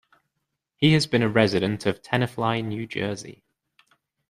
He has been a resident of Tenafly, New Jersey.